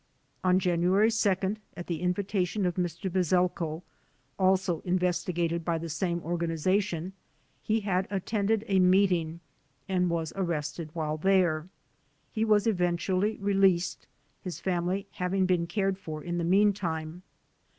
On January 2, at the invitation of Mr. Belen sko (also investigated by the same organization) he had attended a meeting and was arrested while there. He was eventually released, his family having been cared for in the meantime.